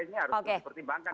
oke ini harus berhubungan